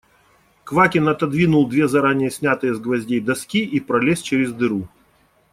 Квакин отодвинул две заранее снятые с гвоздей доски и пролез через дыру.